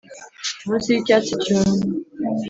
munsi yicyatsi cyumye